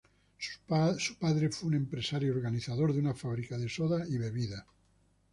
Su padre fue un empresario organizador de una fábrica de soda y bebidas.